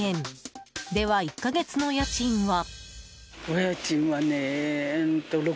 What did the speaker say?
では１か月の家賃は。